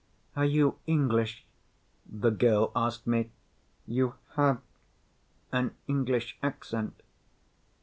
"Are you English?" the girl asked me. "You have an English accent."